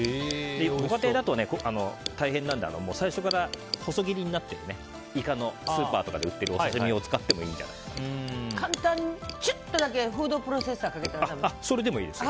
ご家庭だと大変なんで最初から細切りになってるスーパーとかで売ってるイカのお刺し身を使っても簡単にちょっとだけフードプロセッサーをかけたら？